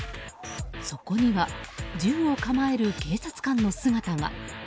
そこには銃を構える警察官の姿が。